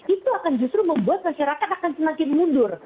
itu akan justru membuat masyarakat akan semakin mundur